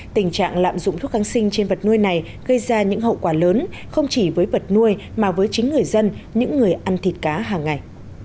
tình trạng lạm dụng thuốc kháng sinh trên vật nuôi này gây ra những hậu quả lớn không chỉ với vật nuôi mà với chính người dân những người ăn thịt cá hàng ngày